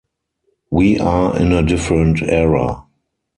We are in a different era.